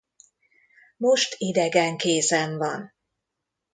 Most idegen kézen van.